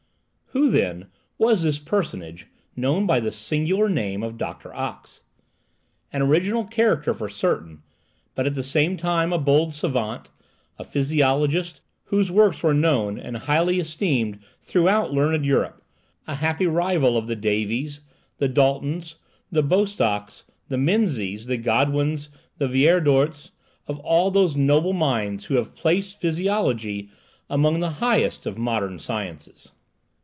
Who, then, was this personage, known by the singular name of Doctor Ox? An original character for certain, but at the same time a bold savant, a physiologist, whose works were known and highly estimated throughout learned Europe, a happy rival of the Davys, the Daltons, the Bostocks, the Menzies, the Godwins, the Vierordts—of all those noble minds who have placed physiology among the highest of modern sciences.